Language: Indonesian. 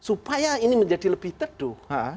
supaya ini menjadi lebih teduh